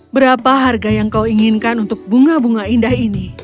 berapa harga yang kau inginkan untuk bunga bunga indah ini